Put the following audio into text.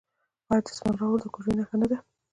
آیا د دسمال راوړل د کوژدې نښه نه ده؟